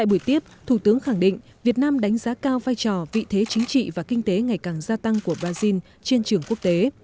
tại buổi tiếp thủ tướng khẳng định việt nam đánh giá cao vai trò vị thế chính trị và kinh tế ngày càng gia tăng của brazil trên trường quốc tế